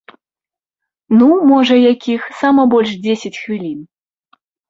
Ну, можа, якіх сама больш дзесяць хвілін.